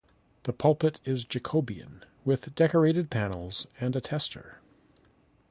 The pulpit is Jacobean with decorated panels and a tester.